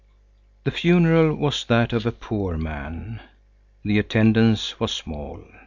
The funeral was that of a poor man. The attendance was small.